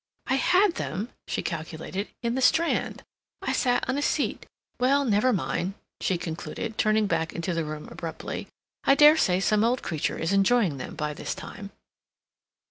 "I had them," she calculated, "in the Strand; I sat on a seat. Well, never mind," she concluded, turning back into the room abruptly, "I dare say some old creature is enjoying them by this time."